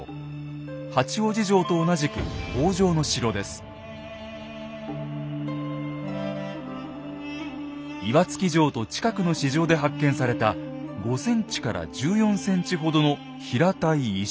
八王子城と同じく岩槻城と近くの支城で発見された５ｃｍから１４ｃｍほどの平たい石。